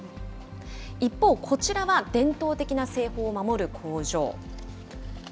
一方、こちらは伝統的な製法を守る工場。